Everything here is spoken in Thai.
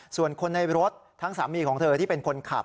ส่วนคนในรถทั้งสามีของเธอที่เป็นคนขับ